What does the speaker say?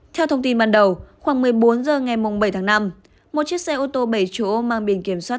theo thông tin ban đầu khoảng một mươi bốn h ngày bảy tháng năm một chiếc xe ô tô bảy chỗ mang biển kiểm soát